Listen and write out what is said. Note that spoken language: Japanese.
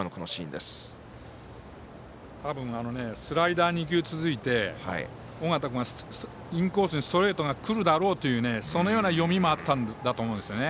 多分スライダー２球続いて尾形君がインコースにストレートがくるだろうというそのような読みもあったんだと思いますね。